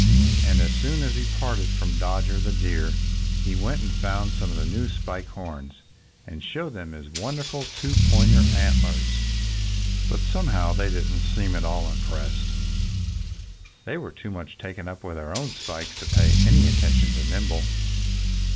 And as soon as he parted from Dodger the Deer he went and found some of the new Spike Horns and showed them his wonderful two point antlers. But somehow they didn't seem at all impressed. They were too much taken up with their own spikes to pay any attention to Nimble.